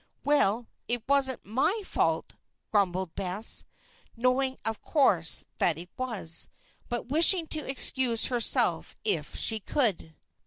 "Well, it wasn't my fault," grumbled Bess, knowing, of course, that it was, but wishing to excuse herself if she could.